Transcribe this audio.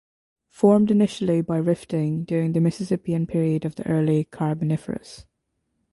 Formed initially by rifting during the Mississippian period of the Early Carboniferous.